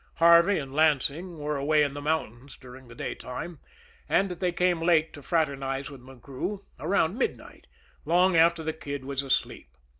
Harvey and Lansing were away in the mountains during the daytime, and they came late to fraternize with McGrew, around midnight, long after the Kid was asleep.